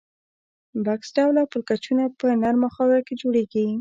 بکس ډوله پلچکونه په نرمه خاوره کې جوړیږي